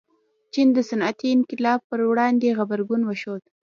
چین د صنعتي انقلاب پر وړاندې غبرګون وښود.